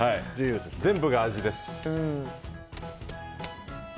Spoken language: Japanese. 全部が味です。